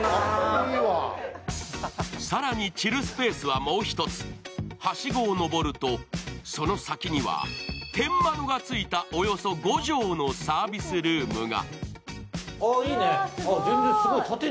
更にチルスペースはもう一つはしごを上るとその先には天窓がついたおよそ５畳のサービスルームが。